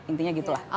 intinya gitu lah